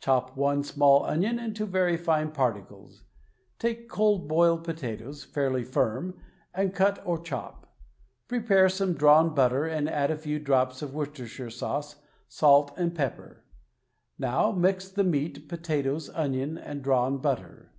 Chop one small onion into very fine particles. Take cold boiled potatoes (fairly firm) and cut or chop. Prepare some drawn butter and add a few drops of Worcestershire sauce, salt and pepper. Now mix the meat, potatoes, onion and drawn butter.